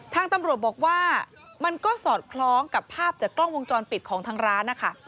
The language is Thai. ทางตำรวจบอกว่ามันก็สอดคล้องกับภาพจากกล้องวงจรปิดของทางร้านนะคะ